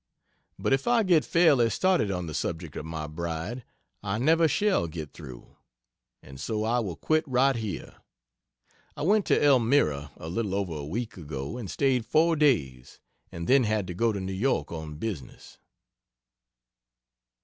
But if I get fairly started on the subject of my bride, I never shall get through and so I will quit right here. I went to Elmira a little over a week ago, and staid four days and then had to go to New York on business.